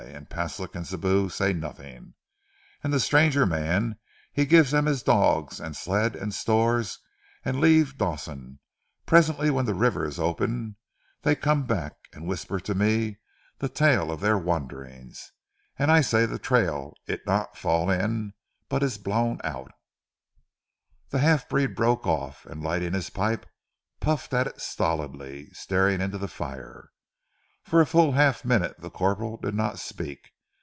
An' Paslik an' Sibou say nothing, an' ze stranger mans he give them his dogs an' sled an' stores and leave Dawson, and presently when ze river is open dey come back, and whisper to me the tale of their wanderings, and I say ze trail it not fall in, but it is blown out." The half breed broke off, and lighting his pipe, puffed at it stolidly, staring into the fire. For a full half minute the corporal did not speak.